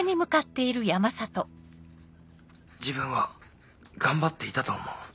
「自分は頑張っていたと思う。